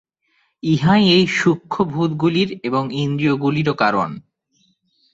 ইহাই এই সূক্ষ্ম ভূতগুলির এবং ইন্দ্রিয়গুলিরও কারণ।